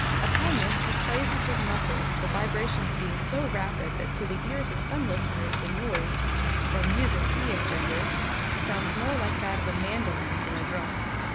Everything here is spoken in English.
Upon this he plays with his muscles, the vibrations being so rapid that to the ears of some listeners the noise, or music he engenders, sounds more like that of a mandolin than a drum.